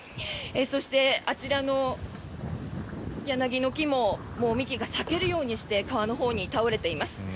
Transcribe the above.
そして、あちらの柳の木ももう幹が裂けるようにして川のほうに倒れています。